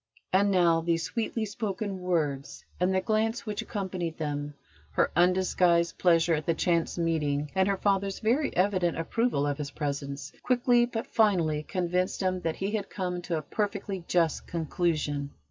And now these sweetly spoken words and the glance which accompanied them, her undisguised pleasure at the chance meeting, and her father's very evident approval of his presence, quickly but finally convinced him that he had come to a perfectly just conclusion.